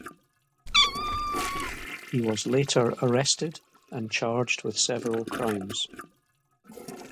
He was later arrested and charged with several crimes.